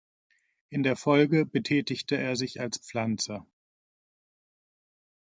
In der Folge betätigte er sich als Pflanzer.